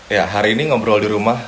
ya hari ini ngobrol di rumah